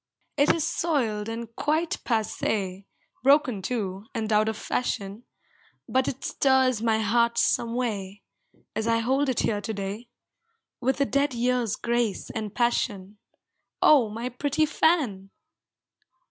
It is soiled and quite passe, Broken too, and out of fashion, But it stirs my heart some way, As I hold it here to day, With a dead year's grace and passion. Oh, my pretty fan!